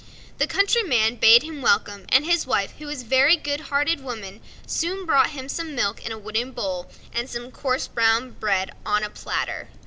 The countryman bade him welcome, and his wife, who was a very good hearted woman, brought him some milk in a wooden bowl and some coarse brown bread on a platter.